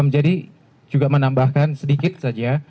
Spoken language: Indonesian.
jadi juga menambahkan sedikit saja